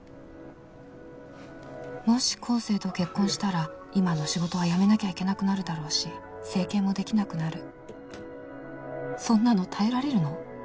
もし光晴と結婚したら今の仕事は辞めなきゃいけなくなるだろうし整形もできなくなる。